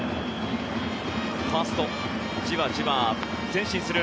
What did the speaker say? ファースト、じわじわ前進する。